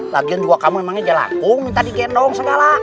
lagian gua kamu emangnya jelakung minta digendong segala